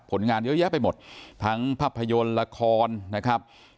ผลงานเยอะแยะไปหมดทั้งภาพยนตร์ละครนะครับ